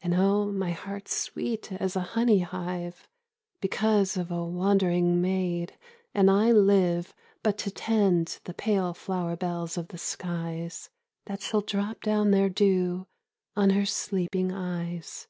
And, oh, my heart's sweet as a honey hive Because of a wandering maid, and I live But to tend the pale flower bells of the skies That shall drop down their dew on her sleeping eyes.'